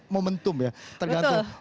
momentum ya tergantung